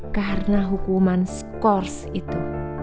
karena hukuman scores itu